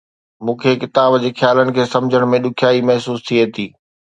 مون کي ڪتاب جي خيالن کي سمجهڻ ۾ ڏکيائي محسوس ٿئي ٿي